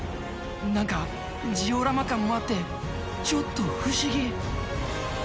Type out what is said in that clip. なんかジオラマ感もあって、ちょっと不思議。